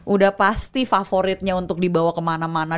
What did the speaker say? udah pasti favoritnya untuk dibawa kemana mana